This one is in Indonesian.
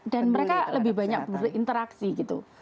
dan mereka lebih banyak berinteraksi gitu